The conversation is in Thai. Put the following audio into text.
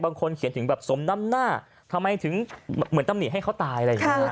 เขียนถึงแบบสมน้ำหน้าทำไมถึงเหมือนตำหนิให้เขาตายอะไรอย่างนี้